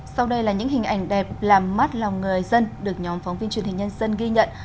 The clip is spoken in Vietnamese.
sau đây là những hình ảnh đẹp làm mát lòng người dân được nhóm phóng viên truyền hình nhân dân ghi nhận